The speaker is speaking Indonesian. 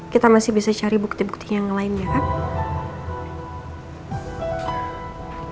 kita masih bisa cari bukti bukti yang lainnya kan